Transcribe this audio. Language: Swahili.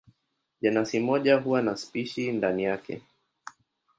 Jenasi moja huwa na spishi ndani yake.